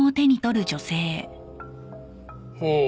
ほう。